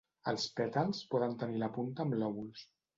Els pètals poden tenir la punta amb lòbuls.